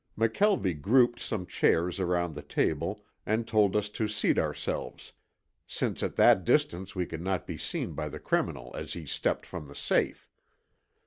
McKelvie grouped some chairs around the table and told us to seat ourselves, since at that distance we could not be seen by the criminal as he stepped from the safe.